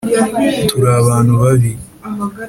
turi abantu babi